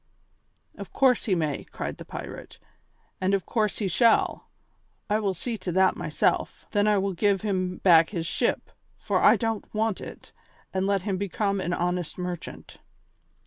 "Of course he may," cried the pirate, "and of course he shall; I will see to that myself. Then I will give him back his ship, for I don't want it, and let him become an honest merchant."